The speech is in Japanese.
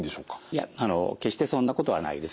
いや決してそんなことはないです。